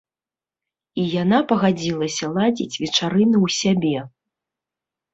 І яна пагадзілася ладзіць вечарыны ў сябе.